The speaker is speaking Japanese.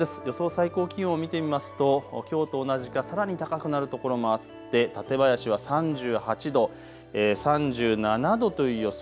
最高気温を見てみますときょうと同じかさらに高くなるところもあって館林は３８度、３７度という予想。